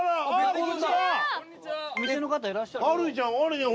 こんにちは。